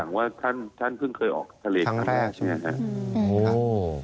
ก็คือเรารู้ที่หลังว่าท่านเพิ่งเคยออกทะเลทั้งแรก